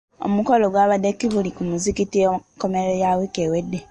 Omukolo gwabadde Kibuli ku muzigiti ku nkomerero ya wiiki ewedde.